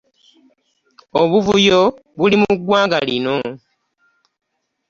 Obuvuyo buli mu ggwanga lino.